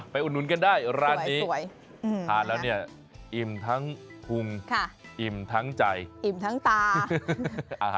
อุดหนุนกันได้ร้านนี้ทานแล้วเนี่ยอิ่มทั้งพุงอิ่มทั้งใจอิ่มทั้งตา